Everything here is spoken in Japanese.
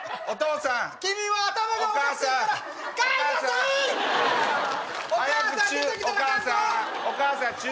お義母さん